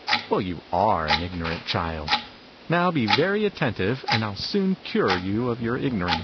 Well, you are an ignorant child ! Now, be very attentive, and I'll soon cure you of your ignorance